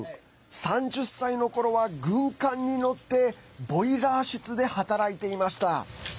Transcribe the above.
３０歳のころは軍艦に乗ってボイラー室で働いていました。